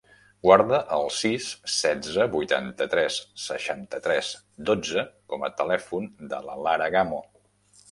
Guarda el sis, setze, vuitanta-tres, seixanta-tres, dotze com a telèfon de la Lara Gamo.